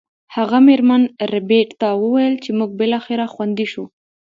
هغه میرمن ربیټ ته وویل چې موږ بالاخره خوندي شو